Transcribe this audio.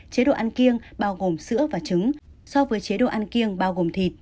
chế độ ăn kiêng bao gồm sữa và trứng so với chế độ ăn kiêng bao gồm thịt